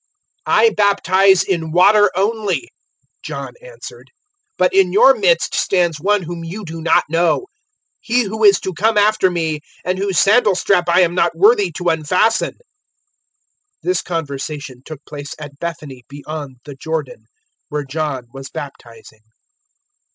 001:026 "I baptize in water only," John answered, "but in your midst stands One whom you do not know 001:027 He who is to come after me, and whose sandal strap I am not worthy to unfasten." 001:028 This conversation took place at Bethany beyond the Jordan, where John was baptizing.